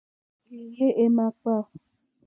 Éèyé é màkpá.